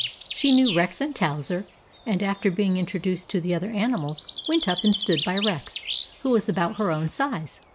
She knew Rex and Towser, and, after being introduced to the other animals, went up and stood by Rex, who was about her own size.